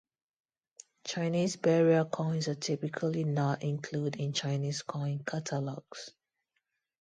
Chinese burial coins are typically not included in Chinese coin catalogues.